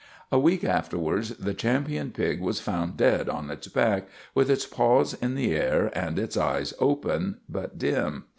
A week afterwards the champion pig was found dead on its back, with its paws in the air and its eyes open, but dim.